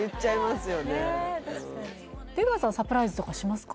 確かに出川さんサプライズとかしますか？